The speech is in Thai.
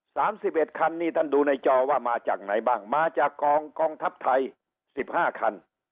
สามสิบเอ็ดคันนี่ท่านดูในจอว่ามาจากไหนบ้างมาจากกองกองทัพไทยสิบห้าคัน